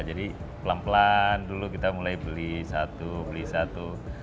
jadi pelan pelan dulu kita mulai beli satu beli satu